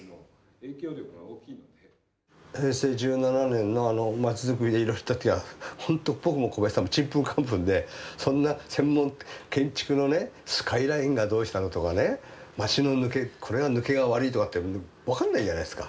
平成１７年のあのまちづくりをやった時はほんと僕も小林さんもちんぷんかんぷんでそんな専門建築のねスカイラインがどうしたのとかね街の抜けこれは抜けが悪いとかって分かんないじゃないですか。